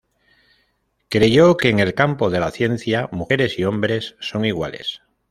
Creyó que en el campo de la ciencia, mujeres y hombres son iguales.